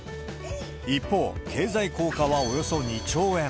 一方、経済効果はおよそ２兆円。